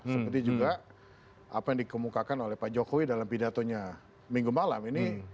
seperti juga apa yang dikemukakan oleh pak jokowi dalam pidatonya minggu malam ini